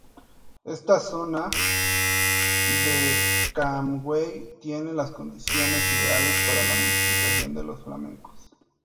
Esta zona de Camagüey tiene las condiciones ideales para la multiplicación de los flamencos.